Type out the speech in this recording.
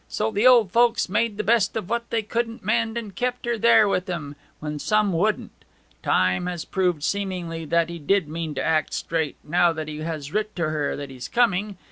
So the old folks made the best of what they couldn't mend, and kept her there with 'em, when some wouldn't. Time has proved seemingly that he did mean to act straight, now that he has writ to her that he's coming.